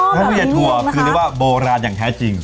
อ๋อแบบนี้นะคะถั่วคือเรียกว่าโบราณอย่างแท้จริง